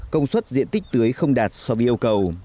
công suất diện tích tưới không đạt so với yêu cầu